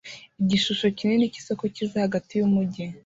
Igishusho kinini cy'isoko cyiza hagati yumujyi